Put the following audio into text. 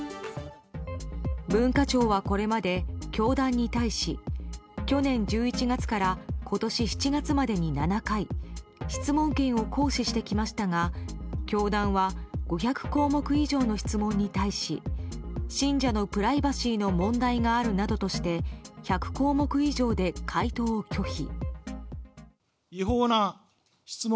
文化庁はこれまで教団に対し去年１１月から今年７月までに７回質問権を行使してきましたが教団は５００項目以上の質問に対し信者のプライバシーの問題があるなどとして１００項目以上で回答を拒否。